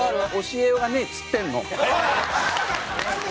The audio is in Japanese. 「教えはねえ」っつってんの。